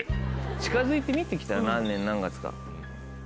近づいて見て来たら何年何月か。